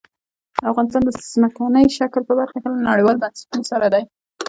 افغانستان د ځمکني شکل په برخه کې له نړیوالو بنسټونو سره دی.